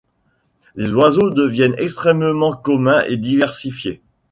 Les oiseaux deviennent extrêmement communs et diversifiés.